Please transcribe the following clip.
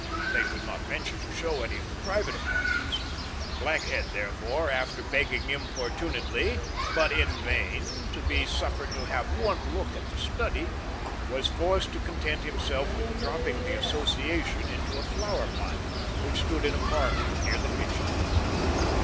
They could not venture to show any of the private apartments. Blackhead, therefore, after begging importunately, but in vain, to be suffered to have one look at the study, was forced to content himself with dropping the Association into a flowerpot which stood in a parlour near the kitchen.